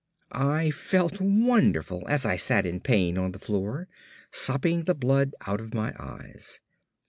I felt wonderful as I sat in pain on the floor, sopping the blood out of my eyes.